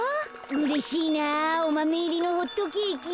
うれしいなおマメいりのホットケーキ。